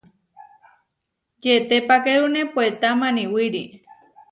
Yetepakérune puetá maniwíri.